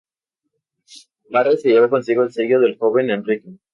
Barre se llevó consigo el sello del joven Enrique.